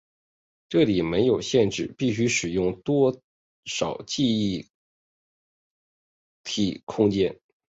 这里没有限制必须使用多少记忆体空间。